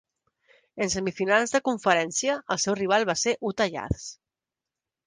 En semifinals de Conferència, el seu rival va ser Utah Jazz.